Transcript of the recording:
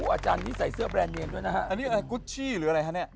อาจารย์นี้ใส่เสื้อแบรนดเนียมด้วยนะฮะอันนี้อะไรกุชชี่หรืออะไรฮะเนี่ย